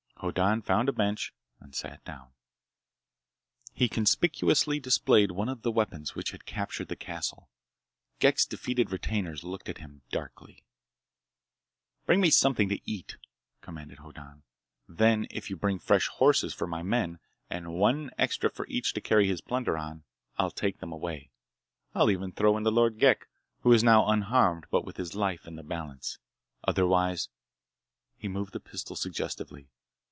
Hoddan found a bench and sat down. He conspicuously displayed one of the weapons which had captured the castle. Ghek's defeated retainers looked at him darkly. "Bring me something to eat," commanded Hoddan. "Then if you bring fresh horses for my men, and one extra for each to carry his plunder on, I'll take them away. I'll even throw in the Lord Ghek, who is now unharmed but with his life in the balance. Otherwise—" He moved the pistol suggestively.